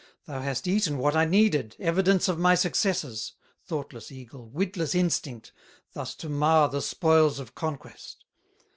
Thou hast eaten what I needed, Evidence of my successes; Thoughtless eagle, witless instinct, Thus to mar the spoils of conquest!"